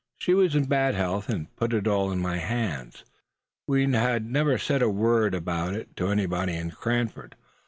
She was in bad health, and put it all in my hands. We have never said a word about it to anybody in Cranford.